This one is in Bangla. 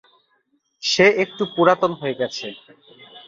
সে একটু পুরাতন হয়ে গেছে।